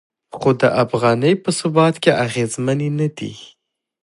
خو د افغانۍ په ثبات کې اغیزمنې نه دي.